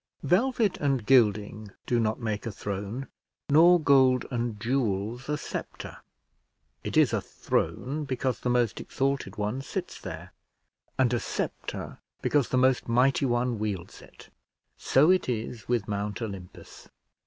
Velvet and gilding do not make a throne, nor gold and jewels a sceptre. It is a throne because the most exalted one sits there, and a sceptre because the most mighty one wields it. So it is with Mount Olympus.